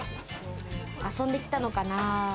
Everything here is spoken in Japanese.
遊んできたのかな？